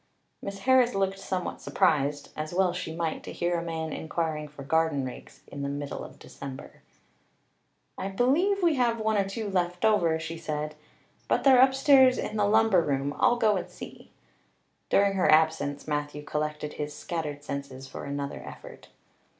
Miss Harris looked somewhat surprised, as well she might, to hear a man inquiring for garden rakes in the middle of December. "I believe we have one or two left over," she said, "but they're upstairs in the lumber room. I'll go and see." During her absence Matthew collected his scattered senses for another effort.